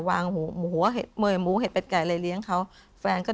วางหัวหัวเห็ดเมยเห็ดเป็ดไก่เลยเลี้ยงเขาแฟนก็เดิน